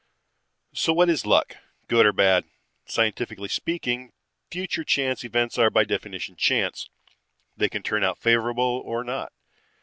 "So what is luck, good or bad? Scientifically speaking, future chance events are by definition chance. They can turn out favorable or not.